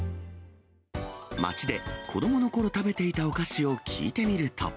街で、子どものころ食べていたお菓子を聞いてみると。